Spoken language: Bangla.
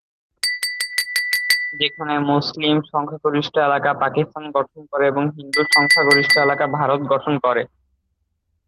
যেখানে মুসলিম সংখ্যাগরিষ্ঠ এলাকা পাকিস্তান গঠন করে এবং হিন্দু সংখ্যাগরিষ্ঠ এলাকা ভারত গঠন করে।